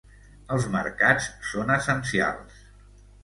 Els mercats són essencials.